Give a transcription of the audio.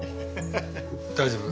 大丈夫。